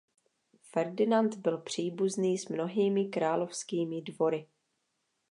Ferdinand byl příbuzný s mnohými královskými dvory.